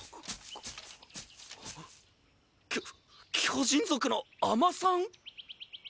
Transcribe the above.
きょ巨人族の尼さん？